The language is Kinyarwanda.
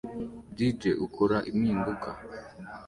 DJ ukora impinduka